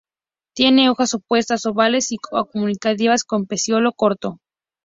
Tiene hojas opuestas, ovales y acuminadas con peciolo corto.